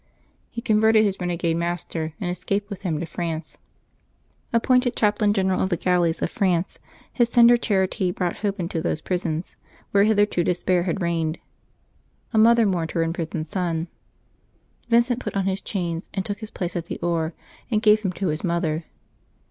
He converted his renegade master, and escaped with him to France. Appointed chaplain general of the galleys of France, his tender charity brought hope into those prisons where hitherto despair had reigned. A mother mourned her imprisoned son. Vincent put on his chains and took his place at the oar, and gave him to his mother.